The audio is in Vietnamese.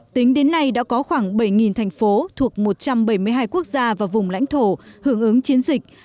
tính đến nay đã có khoảng bảy thành phố thuộc một trăm bảy mươi hai quốc gia và vùng lãnh thổ hưởng ứng chiến dịch